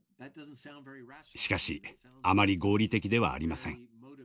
しかしあまり合理的ではありません。